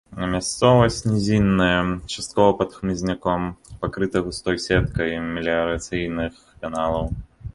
Мясцовасць нізінная, часткова пад хмызняком, пакрыта густой сеткай меліярацыйных каналаў.